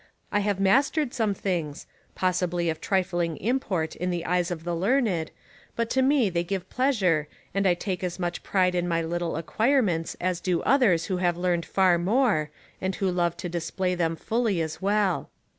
I have mastered some things, possibly of trifling import in the eyes of the learned but to me they give pleasure and I take as much pride in my little acquirements as do others who have learned far more and who love to display them fully as well.